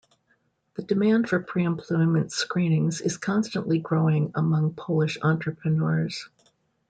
The demand for pre-employment screenings is constantly growing among Polish entrepreneurs.